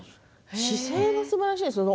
姿勢がすばらしいですね。